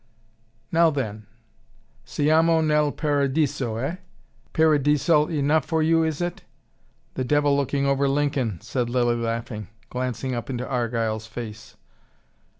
"Now then siamo nel paradiso, eh? Paradisal enough for you, is it?" "The devil looking over Lincoln," said Lilly laughing, glancing up into Argyle's face.